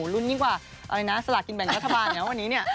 ลุ้นยิ่งกว่าอะไรนะสลากินแบ่งรัฐบาลนะวันนี้เนี่ย